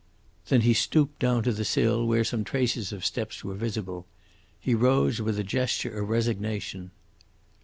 Then he stooped down to the sill, where some traces of steps were visible. He rose with a gesture of resignation.